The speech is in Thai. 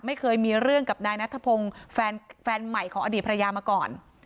ไม่เคยมีเรื่องกับนายนัทพงศ์แฟนใหม่ของอดีตภรรยามาก่อน